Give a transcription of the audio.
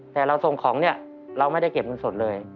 แต่เราส่งของเนี่ยเราไม่ได้เก็บเงินสดเลย